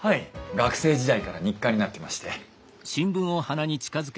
学生時代から日課になってまして。